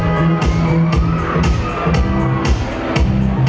ไม่ต้องถามไม่ต้องถาม